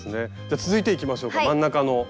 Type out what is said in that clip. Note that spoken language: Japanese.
続いていきましょうか真ん中の。